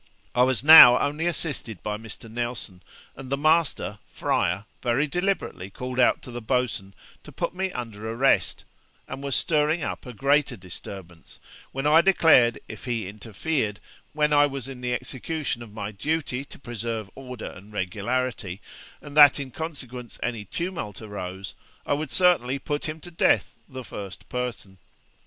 I was now only assisted by Mr. Nelson; and the master (Fryer) very deliberately called out to the boatswain, to put me under an arrest, and was stirring up a greater disturbance, when I declared, if he interfered, when I was in the execution of my duty to preserve order and regularity, and that in consequence any tumult arose, I would certainly put him to death the first person.